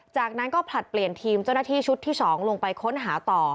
จากนั้นก็ผลัดเปลี่ยนทีมเจ้าหน้าที่ชุดที่๒ลงไปค้นหาต่อ